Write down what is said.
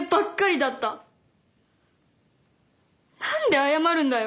何で謝るんだよ。